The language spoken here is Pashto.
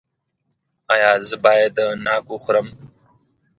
ایا زه باید ناک وخورم؟